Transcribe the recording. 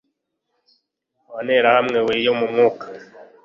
wa nterahamwe we yo mumwuka